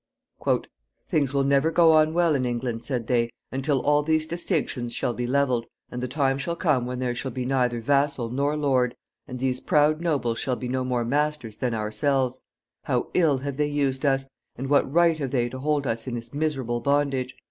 "Things will never go on well in England," said they, "until all these distinctions shall be leveled, and the time shall come when there shall be neither vassal nor lord, and these proud nobles shall be no more masters than ourselves. How ill have they used us! And what right have they to hold us in this miserable bondage?